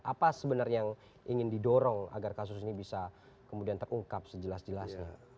apa sebenarnya yang ingin didorong agar kasus ini bisa kemudian terungkap sejelas jelasnya